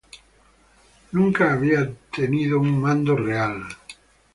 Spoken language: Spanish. Nunca había tenido un mando real.